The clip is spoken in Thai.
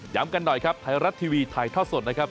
กันหน่อยครับไทยรัฐทีวีถ่ายทอดสดนะครับ